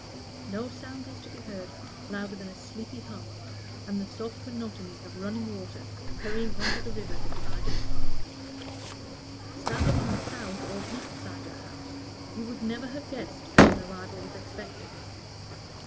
No sound was to be heard louder than a sleepy hum, and the soft monotony of running water hurrying on to the river that divided the park. Standing on the south or east side of the house, you would never have guessed that an arrival was expected.